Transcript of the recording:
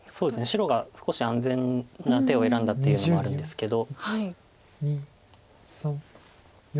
白が少し安全な手を選んだっていうのもあるんですけど。